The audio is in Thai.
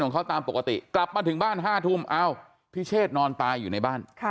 ของเขาตามปกติกลับมาถึงบ้าน๕ทุ่มเอ้าพิเชษนอนตายอยู่ในบ้าน